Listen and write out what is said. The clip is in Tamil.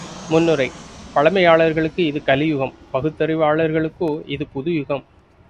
முன்னுரை பழைமையாளர்களுக்கு இது கலியுகம், பகுத்தறிவாளர்களுக்கோ இது புது யுகம்.